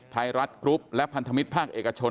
ไทยรัฐกรุ๊ปและพันธมิตรภาคเอกชน